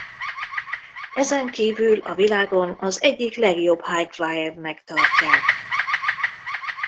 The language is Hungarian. Ezen kívül a világon az egyik legjobb high flyer-nek tartják.